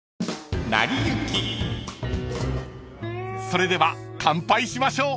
［それでは乾杯しましょう］